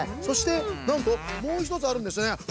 そしてなんともうひとつあるんですね。